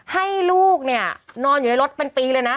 ให้ลูกเนี่ยนอนอยู่ในรถเป็นปีเลยนะ